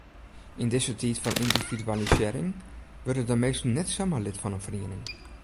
Yn dizze tiid fan yndividualisearring wurde de minsken net samar lid fan in feriening.